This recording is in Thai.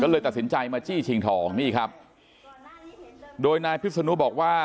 เลยตัดสินใจมาจี้ชิงทองนี่ครับโดยนายพิศนุบอกว่า